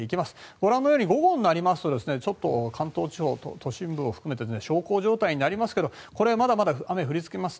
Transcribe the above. ご覧のように午後になりますと関東地方と都心部を含めて小康状態になりますけどまだまだ雨が降り続きます。